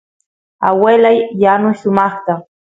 aguelay yanuy sumaqta